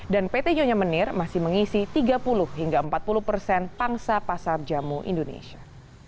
dan pt nyonya menir masih mengisi tiga puluh hingga empat puluh persen pangsa pasar jamu indonesia